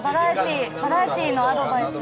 バラエティーのアドバイスを。